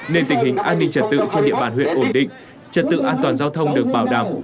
nên tình hình an ninh trật tự trên địa bàn huyện ổn định trật tự an toàn giao thông được bảo đảm